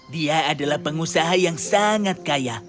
dia adalah pengusaha yang sangat kaya